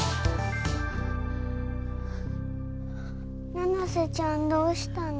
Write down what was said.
七瀬ちゃんどうしたの？